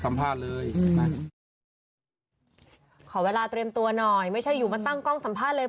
ขอเวลาเตรียมตัวหน่อยไม่ใช่อยู่มาตั้งกล้องสัมภาษณ์เลย